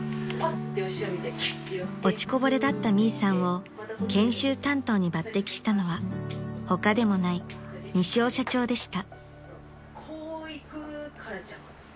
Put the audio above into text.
［落ちこぼれだったミイさんを研修担当に抜てきしたのはほかでもない西尾社長でした］